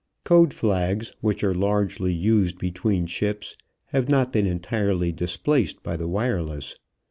Code flags, which are largely used between ships, have not been entirely displaced by the wireless.